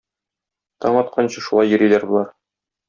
Таң атканчы шулай йөриләр болар.